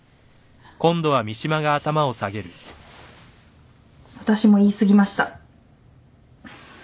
あたしも言い過ぎました。